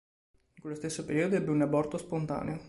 In quello stesso periodo ebbe un aborto spontaneo.